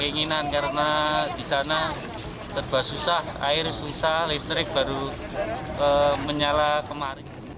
keinginan karena di sana terbahas susah air susah listrik baru menyala kemarin